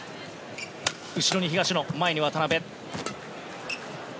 後ろに東野、前に渡辺。